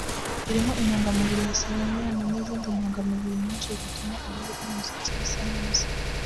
birimo intungamubiri ya seleniyumu n’izindi ntungamubiri nyinshi zituma uruhu n’umusatsi bisa neza